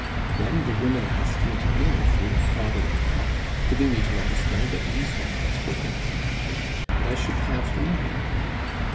"Then the woman asked me to dinner through my father in law, giving me to understand that Lisbeth had spoken of the matter, and I should have the money.